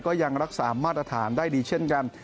ก็ยังรักษามาตรฐานได้ดีเช่นกัน